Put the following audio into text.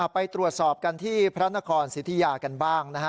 ไปตรวจสอบกันที่พระนครสิทธิยากันบ้างนะฮะ